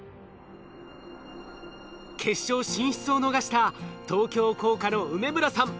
決勝進出を逃した東京工科の梅村さん。